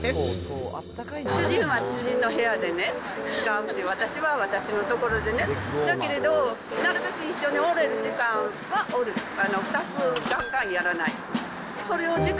主人は主人の部屋でね、使うし、私は私の所でね、だけれども、なるべく一緒におれる時間はおる、２つがんがんやらない。